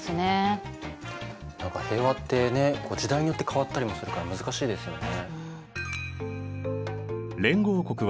何か平和ってね時代によって変わったりもするから難しいですよね。